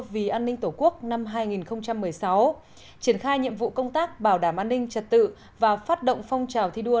vì an ninh tổ quốc năm hai nghìn một mươi sáu triển khai nhiệm vụ công tác bảo đảm an ninh trật tự và phát động phong trào thi đua